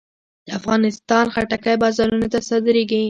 د افغانستان خټکی بازارونو ته صادرېږي.